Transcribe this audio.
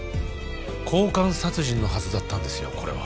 交換殺人のはずだったんですよこれは。